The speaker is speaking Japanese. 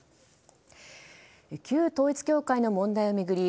旧統一教会の問題を巡り